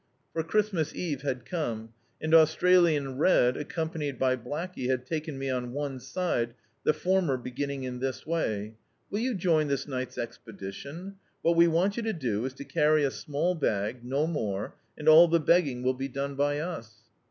For Christmas Eve had come, and Australian Red, ac* companied by Blackcy, had taken me on one side, the former be^nning in this way: "Will you join this ni^t's expedition^ What we want you to do is to carry a small bag, no more, and all the begging will be done by us."